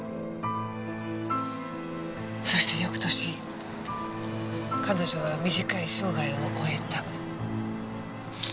そして翌年彼女は短い生涯を終えた。